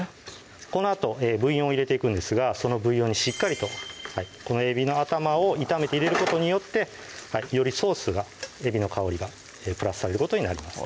このあとブイヨンを入れていくんですがそのブイヨンにしっかりとこのえびの頭を炒めて入れることによってよりソースがえびの香りがプラスされることになりますね